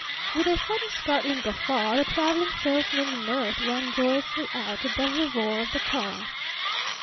With a sudden startling guffaw the Traveling Salesman's mirth rang joyously out above the roar of the car.